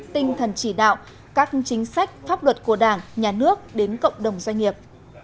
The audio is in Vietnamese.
tinh thần chỉ đạo các chính sách pháp luật của đảng nhà nước đến cộng đồng doanh nghiệp